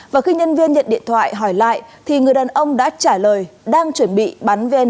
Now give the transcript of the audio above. và khi nhân viên nhận điện thoại hỏi lại thì người đàn ông đã trả lời đang chuẩn bị bắn vn